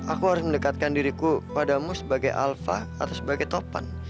aku harus mendekatkan diriku padamu sebagai alfa atau sebagai topan